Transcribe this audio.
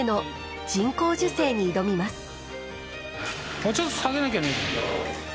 もうちょっと下げなきゃ。